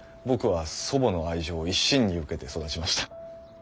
僕は祖母の愛情を一身に受けて育ちました。